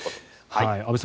安部さん